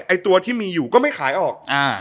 ตัวที่มีอยู่ก็ไม่ขายออก